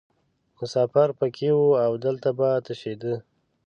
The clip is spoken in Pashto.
مسافر پکې وو او دلته به تشیده.